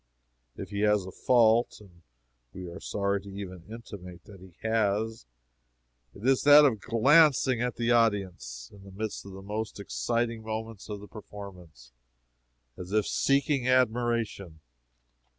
If he has a fault, (and we are sorry to even intimate that he has,) it is that of glancing at the audience, in the midst of the most exciting moments of the performance, as if seeking admiration.